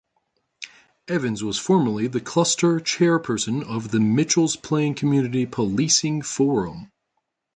Evans was formerly the cluster chairperson of the Mitchells Plain Community Policing Forum.